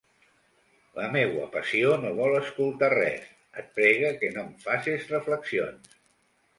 La meua passió no vol escoltar res, et pregue que no em faces reflexions.